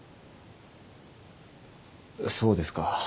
そうですか？